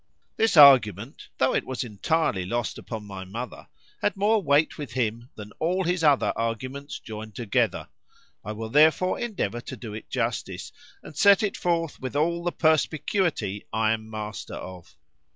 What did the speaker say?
This argument, though it was entirely lost upon my mother,——had more weight with him, than all his other arguments joined together:—I will therefore endeavour to do it justice,—and set it forth with all the perspicuity I am master of.